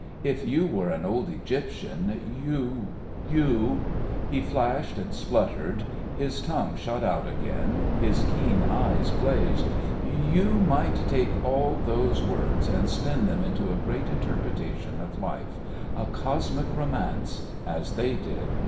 If you were an old Egyptian, you you" he flashed and spluttered, his tongue shot out again, his keen eyes blazed "you might take all those words and spin them into a great interpretation of life, a cosmic romance, as they did.